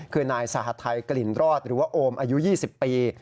คือนายสหทัยกลิ่นรอดหรือว่าโอมอายุ๒๐ปี